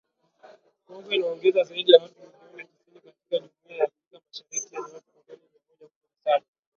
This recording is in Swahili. Kongo inaongeza zaidi ya watu milioni tisini katika Jumuiya ya Afrika Mashariki yenye watu milioni mia moja kumi na saba